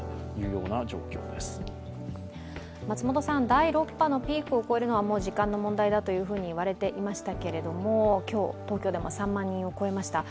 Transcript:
第６波のピークを超えるのは、もう時間の問題だと言われていましたけれども、今日、東京でも３万人を超えました。